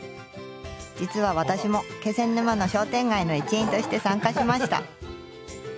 実は私も気仙沼の商店街の一員として参加しました。